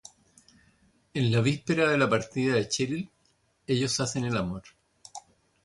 En la víspera de la partida de Cheryl, ellos hacen el amor.